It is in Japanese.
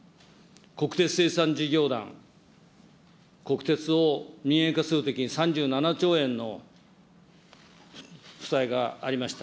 国鉄清算事業団、国鉄を民営化するときに３７兆円の負債がありました。